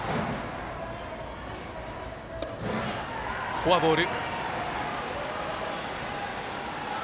フォアボール。